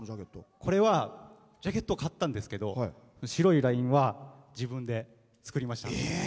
これはジャケットを買ったんですけど白いラインは自分で作りました。